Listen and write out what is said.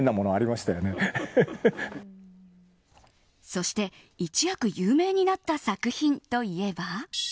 そして、一躍有名になった作品といえば。